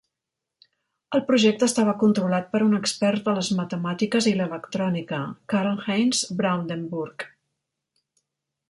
El projecte estava controlat per un expert de les matemàtiques i l'electrònica, Karlheinz Brandenburg.